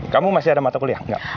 kamu masih ada mata kuliah